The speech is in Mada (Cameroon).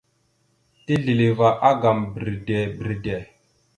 Tisləváagam bredey bredey.